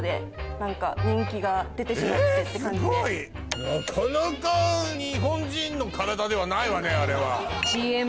なかなか日本人の体ではないわねあれは。